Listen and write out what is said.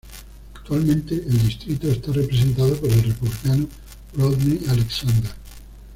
Actualmente el distrito está representado por el Republicano Rodney Alexander.